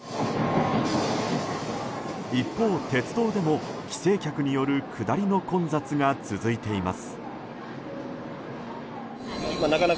一方、鉄道でも帰省客による下りの混雑が続いています。